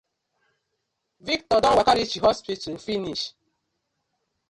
Victor don waka reach hospital finish.